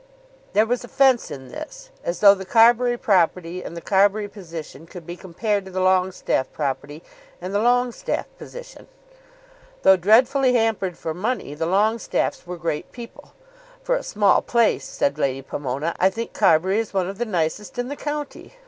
There was offence in this; as though the Carbury property and the Carbury position could be compared to the Longestaffe property and the Longestaffe position. Though dreadfully hampered for money, the Longestaffes were great people. "For a small place," said Lady Pomona, "I think Carbury is one of the nicest in the county.